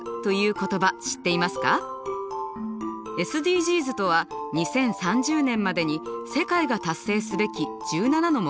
ＳＤＧｓとは２０３０年までに世界が達成すべき１７の目標のこと。